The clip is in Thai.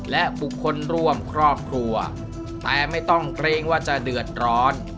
และบุคคลร่วมครอบครัวแต่ไม่ต้องเกรงว่าจะเดือดร้อน